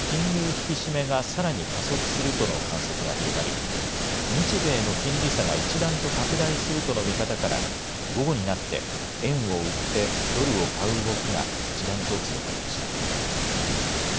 引き締めがさらに加速するとの観測が広がり、日米の金利差が一段と拡大するとの見方から、午後になって円を売ってドルを買う動きが一段と強まりました。